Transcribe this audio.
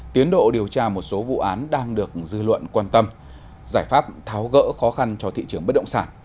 tiến độ điều tra một số vụ án đang được dư luận quan tâm giải pháp tháo gỡ khó khăn cho thị trường bất động sản